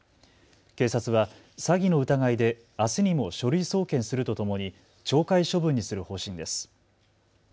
警察は詐欺の疑いであすにも書類送検するとともに懲戒処分にする方針です。